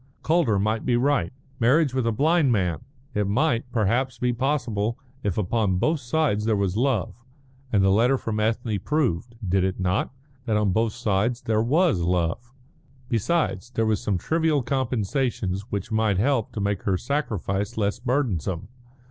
Calder might be right. Marriage with a blind man! It might, perhaps, be possible if upon both sides there was love, and the letter from Ethne proved did it not? that on both sides there was love. Besides, there were some trivial compensations which might help to make her sacrifice less burdensome.